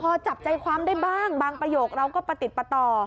พอจับใจความได้บ้างบางประโยคเราก็ประติดประต่อ